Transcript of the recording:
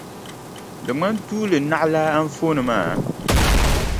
Di ŋmani tuuli naɣilaa anfooni maa?